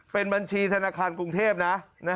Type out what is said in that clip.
เป็นบัญชีธนาคารกรุงเทพนะ